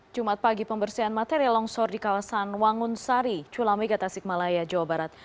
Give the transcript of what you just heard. jumat pagi pembersihan material longsor di kawasan wangun sari culamega tasik malaya jawa barat